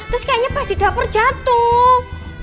terus kayaknya pas di dapur jatuh